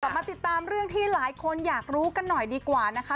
มาติดตามเรื่องที่หลายคนอยากรู้กันหน่อยดีกว่านะคะ